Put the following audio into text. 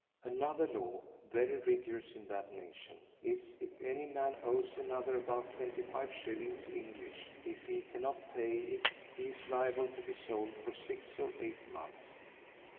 Another law, very rigorous in that nation, is, if any man owes another above twenty five shillings English, if he cannot pay it, he is liable to be sold for six or eight months.